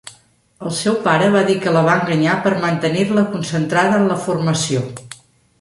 El seu pare va dir que la va enganyar per mantenir-la concentrada en la formació.